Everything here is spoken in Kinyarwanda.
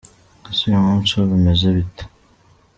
Ese uyu munsi ho bimeze bite ?